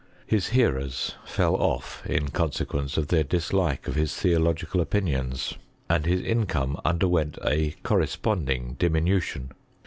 His hearers fell off, in conse quence of their dislike of his theological opinions; auid his income underwent a corresponding diminu tion.